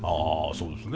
そうですね。